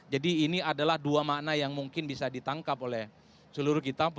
jadi ini adalah dua makna yang mungkin bisa ditangkap oleh seluruh kita pemimpin